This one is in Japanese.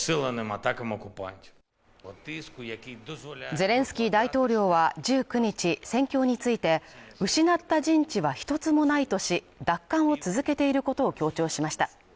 ゼレンスキー大統領は１９日、戦況について失った陣地は一つもないとし、奪還を続けていることを強調しました。